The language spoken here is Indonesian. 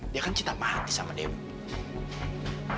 dia kan cinta mati sama demo